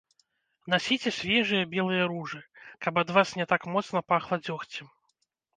Насіце свежыя белыя ружы, каб ад вас не так моцна пахла дзёгцем.